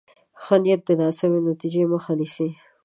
ښه نیت د ناسمې نتیجې مخه نیسي.